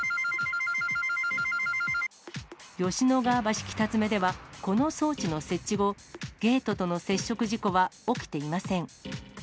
吉野川橋北詰では、この装置の設置後、ゲートとの接触事故は起きていません。